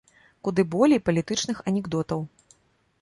Куды болей палітычных анекдотаў.